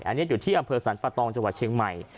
อันนี้อยู่ที่อำเภอสรรพตรองเฉพาะเชียงใหม่